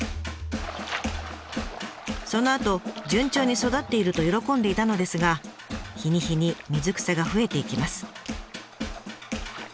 そのあと順調に育っていると喜んでいたのですが日に日に水草が増えていきます。